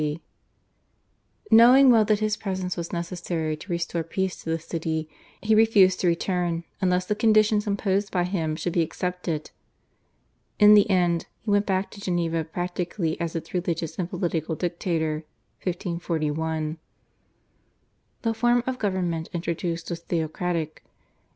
Knowing well that his presence was necessary to restore peace to the city he refused to return unless the conditions imposed by him should be accepted. In the end he went back to Geneva practically as its religious and political dictator (1541). The form of government introduced was theocratic.